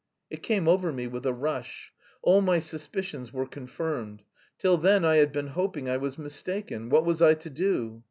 It came over me with a rush. All my suspicions were confirmed. Till then, I had been hoping I was mistaken! What was I to do?